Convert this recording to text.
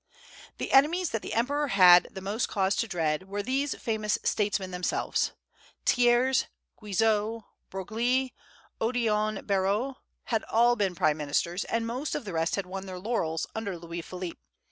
The enemies that the emperor had the most cause to dread were these famous statesmen themselves. Thiers, Guizot, Broglie, Odillon Barrot, had all been prime ministers, and most of the rest had won their laurels under Louis Philippe.